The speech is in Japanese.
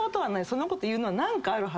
そんなこと言うのは何かあると。